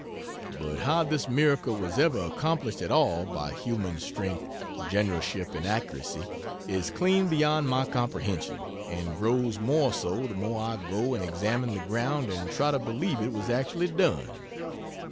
But how this miracle was ever accomplished at all, by human strength, generalship and accuracy, is clean beyond my comprehension and grows more so the more I go and examine the ground and try to believe it was actually done.